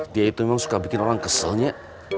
dia itu memang suka bikin orang keselnya